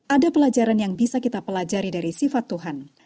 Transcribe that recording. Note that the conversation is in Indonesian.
ada pelajaran yang bisa kita pelajari dari sifat tuhan